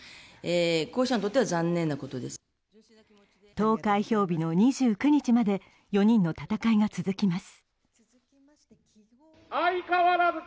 投開票日の２９日まで４人の戦いが続きます。